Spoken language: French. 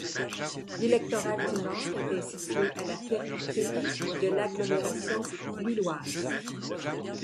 Le électoral du Nord était situé à la périphérie de l'agglomération Lilloise.